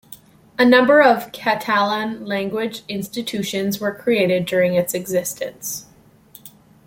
A number of Catalan-language institutions were created during its existence.